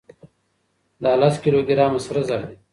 دا لس کيلو ګرامه سره زر دي.